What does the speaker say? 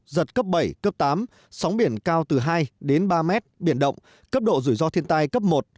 giật cấp bảy cấp tám sóng biển cao từ hai đến ba mét biển động cấp độ rủi ro thiên tai cấp một